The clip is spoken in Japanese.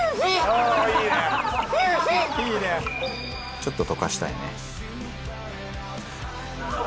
ちょっと溶かしたいね。